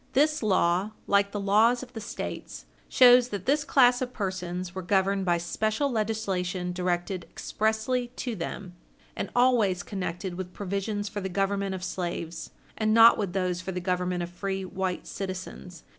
This law, like the laws of the States, shows that this class of persons were governed by special legislation directed expressly to them, and always connected with provisions for the government of slaves, and not with those for the government of free white citizens.